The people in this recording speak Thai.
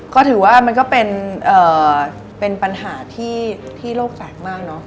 ก็ถือว่ามันก็เป็นปัญหาที่โลกแฝงมากเนอะ